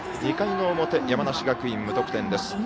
２回の表、山梨学院、無得点です。